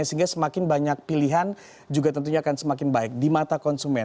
sehingga semakin banyak pilihan juga tentunya akan semakin baik di mata konsumen